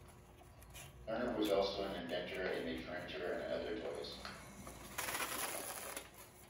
Lerner was also an inventor and made furniture and other toys.